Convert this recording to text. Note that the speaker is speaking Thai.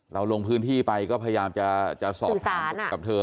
ลงพื้นที่ไปก็พยายามจะสอบถามกับเธอ